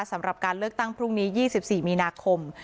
สำหรับการเลือกตั้งพรุ่งนี้๒๔มีนาคม